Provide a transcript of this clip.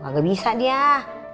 kalo dia bekerja sama siapapun